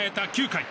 ９回。